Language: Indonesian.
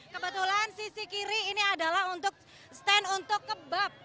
kebetulan sisi kiri ini adalah untuk stand untuk kebab